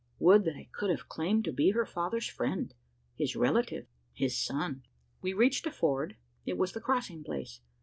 Would that I could have claimed to be her father's friend his relative his son! We reached a ford: it was the crossing place.